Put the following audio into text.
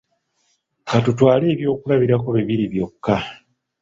Ka tutwale ebyokulabirako bibiri byokka.